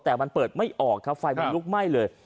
แต่มันเปิดไม่ออกครับไฟมันลุกไหม้เลย